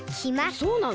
そうなの？